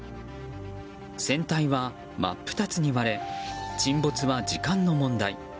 船体は真っ二つに割れ沈没は時間の問題。